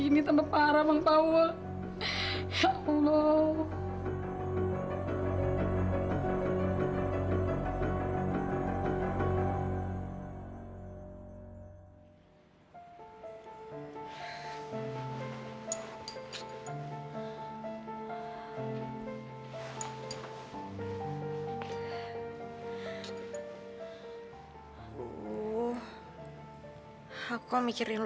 siapa yang ngajarin